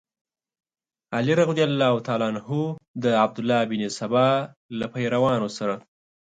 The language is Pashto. علي رض د عبدالله بن سبا له پیروانو سره.